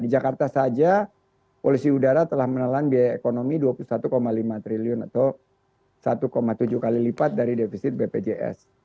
di jakarta saja polusi udara telah menelan biaya ekonomi dua puluh satu lima triliun atau satu tujuh kali lipat dari defisit bpjs